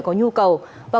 có nhiệm vụ